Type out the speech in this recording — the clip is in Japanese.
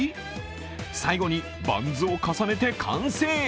最後にバンズを重ねて完成。